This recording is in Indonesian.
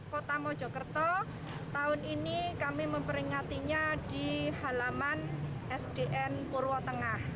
kota mojokerto tahun ini kami memperingatinya di halaman sdn purwo tengah